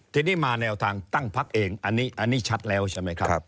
ทีนี้มาแนวทางตั้งพักเองอันนี้ชัดแล้วใช่ไหมครับ